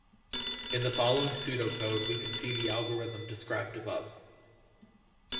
In the following pseudocode we can see the algorithm described above.